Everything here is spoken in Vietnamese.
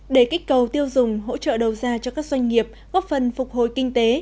để kích cầu tiêu dùng hỗ trợ đầu ra cho các doanh nghiệp góp phần phục hồi kinh tế